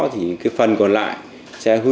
thì cái phần còn lại sẽ